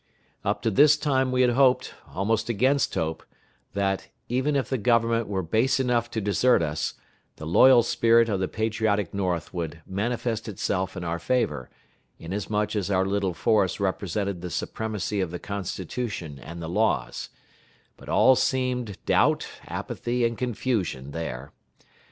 Up to this time we had hoped, almost against hope, that, even if the Government were base enough to desert us, the loyal spirit of the patriotic North would manifest itself in our favor, inasmuch as our little force represented the supremacy of the Constitution and the laws; but all seemed doubt, apathy, and confusion there.